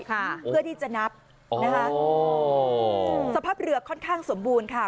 เพื่อที่จะนับนะคะโอ้สภาพเรือค่อนข้างสมบูรณ์ค่ะ